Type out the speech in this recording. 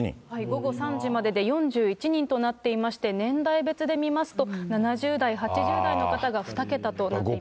午後３時までで４１人となっていまして、年代別で見ますと、７０代、８０代の方が２桁となっています。